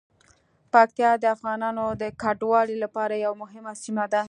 پکتیا د افغانانو د کډوالۍ لپاره یوه مهمه سیمه ده.